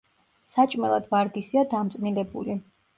საჭმელად ვარგისია დამწნილებული.